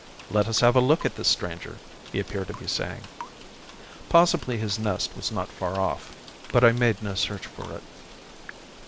"Let us have a look at this stranger," he appeared to be saying. Possibly his nest was not far off, but I made no search for it.